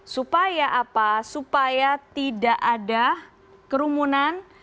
supaya apa supaya tidak ada kerumunan